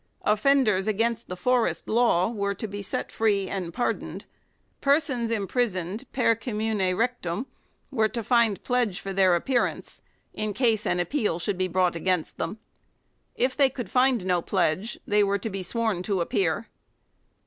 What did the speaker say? Offenders against the forest law 1 were to be set tree and par doned. Persons imprisoned " per commune rectum " were to find pledge for their appearance in case an ap peal should be brought against them; if they could find no pledge, they were to be sworn to appear.